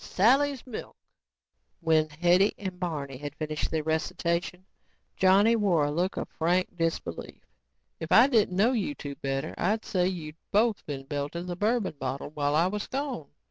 When Hetty and Barney had finished their recitation, Johnny wore a look of frank disbelief. "If I didn't know you two better, I'd say you both been belting the bourbon bottle while I was gone.